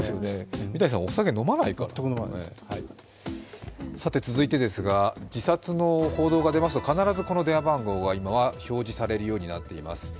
三谷さん、お酒飲まないから続いてですが、自殺の報道が出ますと今、必ずこの電話番号が今は表示されるようになっています。